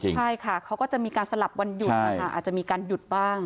ใช่ค่ะเขาก็จะมีการสลับวันหยุดนะคะอาจจะมีการหยุดบ้าง